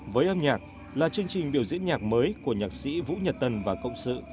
với âm nhạc là chương trình biểu diễn nhạc mới của nhạc sĩ vũ nhật tân và cộng sự